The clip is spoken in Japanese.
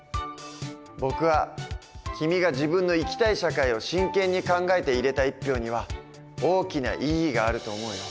僕は君が自分の生きたい社会を真剣に考えて入れた１票には大きな意義があると思うよ。